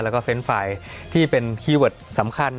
แล้วก็เฟรนด์ไฟล์ที่เป็นคีย์เวิร์ดสำคัญ